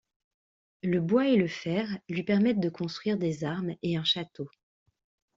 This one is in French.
Le bois et le fer lui permettent de construire des armes et un château.